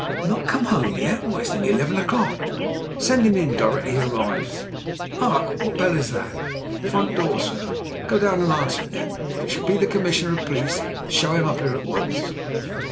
"Not come home yet! Why, it's nearly eleven o'clock! Send him in directly he arrives. Hark! What bell is that?" "Front door, sir." "Go down and answer it then, and if it should be the Commissioner of Police show him up here at once."